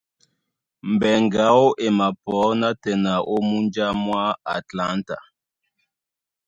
Mbɛŋgɛ aó e mapɔ nátɛna ó múnja mwá Atlanta.